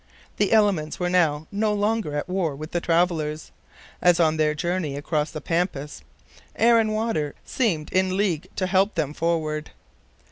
The elements were now no longer at war with the travelers, as on their journey across the Pampas air and water seemed in league to help them forward.